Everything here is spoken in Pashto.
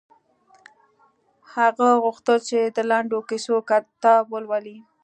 هغه غوښتل چې د لنډو کیسو کتاب ولولي